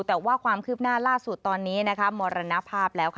แต่ว่าความคืบหน้าล่าสุดตอนนี้มรณภาพแล้ว